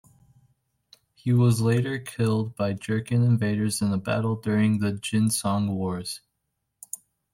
He was later killed by Jurchen invaders in a battle during the Jin-Song Wars.